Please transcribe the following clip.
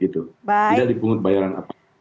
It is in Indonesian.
tidak dipungut bayaran apa